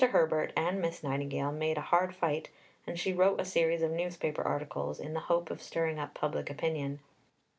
Herbert and Miss Nightingale made a hard fight, and she wrote a series of newspaper articles in the hope of stirring up public opinion.